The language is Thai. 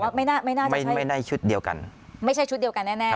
ไม่น่าไม่น่าจะไม่ไม่ได้ชุดเดียวกันไม่ใช่ชุดเดียวกันแน่แน่